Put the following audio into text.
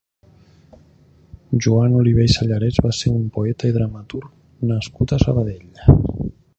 Joan Oliver i Sallarès va ser un poeta i dramaturg nascut a Sabadell.